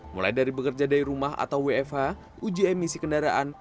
mulai dari bekerja dari rumah atau wfh uji emisi kendaraan